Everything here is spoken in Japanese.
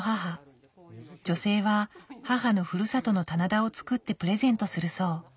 女性は母のふるさとの棚田を作ってプレゼントするそう。